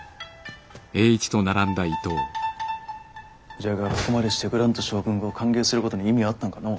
じゃがここまでしてグラント将軍を歓迎することに意味はあったんかのう。